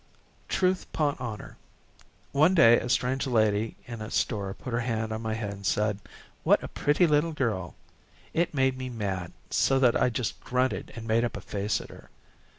"Truth 'pon honor. One day a strange lady in a store put her hand on my head, and said: 'What a pretty little girl.' It made me mad, so that I just grunted and made up a face at her.